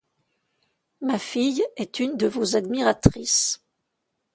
Ma fille est une de vos admiratrices.